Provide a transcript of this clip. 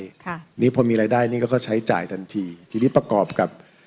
ค่ะนี่พอมีรายได้นี่ก็ใช้จ่ายทันทีทีนี้ประกอบกับ